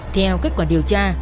theo kết quả điều tra